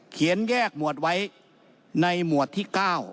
แยกหมวดไว้ในหมวดที่๙